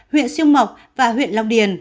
huyện siêu mộc và huyện lọc điền